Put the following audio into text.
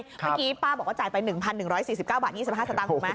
เมื่อกี้ป้าบอกว่าจ่ายไป๑๑๔๙บาท๒๕สตางค์ถูกไหม